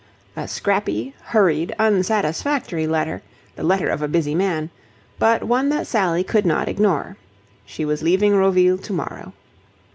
A scrappy, hurried, unsatisfactory letter, the letter of a busy man: but one that Sally could not ignore. She was leaving Roville to morrow.